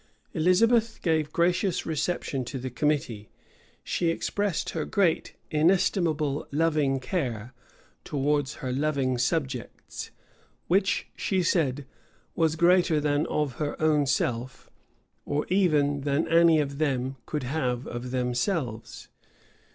Elizabeth gave a gracious reception to the committee: she expressed her great "inestimable loving care" towards her loving subjects; which, she said, was greater than of her own self, or even than any of them could have of themselves.